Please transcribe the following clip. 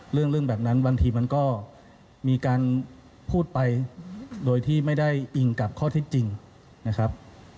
เรื่องแบบนั้นบางทีมันก็มีการพูดไปโดยที่ไม่ได้อิงกับข้อเท็จจริงนะครับ